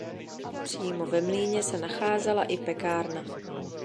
Přímo ve mlýně se nacházela i pekárna.